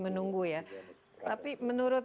menunggu ya tapi menurut